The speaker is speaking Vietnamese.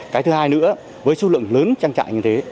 cái thứ hai nữa với số lượng lớn trang trại như thế